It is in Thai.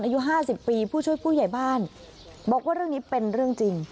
อายุห้าสิบปีผู้ช่วยผู้ใหญ่บ้านบอกว่าเรื่องนี้เป็นเรื่องจริง